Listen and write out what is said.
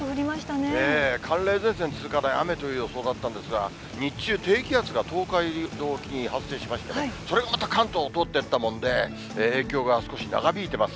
ねえ、寒冷前線の通過で雨という予報だったんですが、日中、低気圧が東海道付近に発生しまして、それがまた関東を通っていったもので、影響が少し長引いてます。